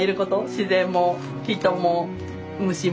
自然も人も虫も。